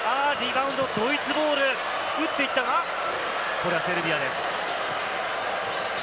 ドイツボール、打っていったが、セルビアです。